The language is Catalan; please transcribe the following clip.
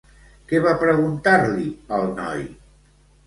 Què va preguntar-li el noi?